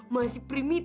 masih betok kau tok tok